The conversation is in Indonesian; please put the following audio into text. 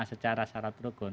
secara syarat rukun